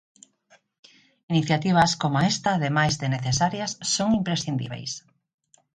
Iniciativas coma esta ademais de necesarias son imprescindíbeis.